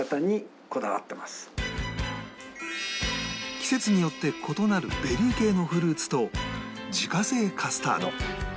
季節によって異なるベリー系のフルーツと自家製カスタード